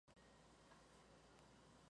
Dicción en la Escuela de Locución.